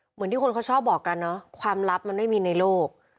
เหมือนที่คนเขาชอบบอกกันเนอะความลับมันไม่มีในโลก